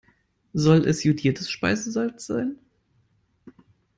Soll es jodiertes Speisesalz sein?